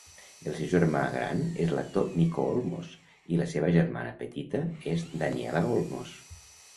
El seu germà gran és l'actor Mico Olmos, i la seva germana petita és Daniela Olmos.